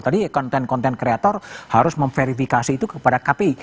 tadi konten konten kreator harus memverifikasi itu kepada kpi